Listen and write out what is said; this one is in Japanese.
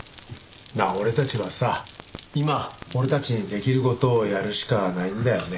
まあ俺たちはさ今俺たちにできる事をやるしかないんだよね。